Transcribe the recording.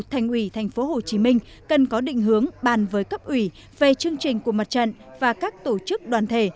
thành ủy tp hcm cần có định hướng bàn với cấp ủy về chương trình của mặt trận và các tổ chức đoàn thể